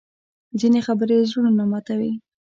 ځینې خبرې زړونه ماتوي